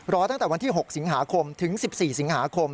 ตั้งแต่วันที่๖สิงหาคมถึง๑๔สิงหาคม